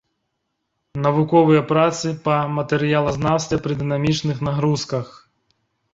Навуковыя працы па матэрыялазнаўстве пры дынамічных нагрузках.